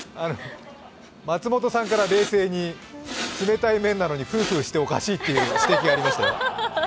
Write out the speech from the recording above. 松本さんから冷静に、冷たい麺なのにフーフーしておかしいという指摘がありましたよ。